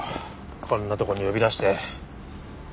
こんなとこに呼び出して。